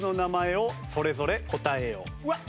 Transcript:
うわっ！